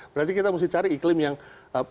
berarti kita harus cari iklim yang kurang baik